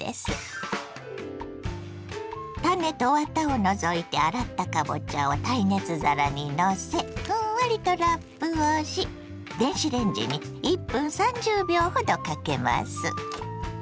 種とワタを除いて洗ったかぼちゃを耐熱皿にのせふんわりとラップをし電子レンジに１分３０秒ほどかけます。